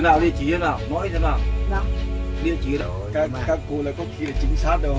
nhóm phong viên nhóm phong viên nhóm phong viên